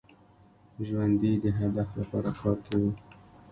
ژوندي د هدف لپاره کار کوي